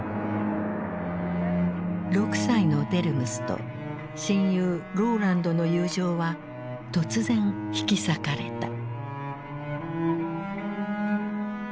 ６歳のデルムスと親友ローランドの友情は突然引き裂かれた。